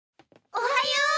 おはよう。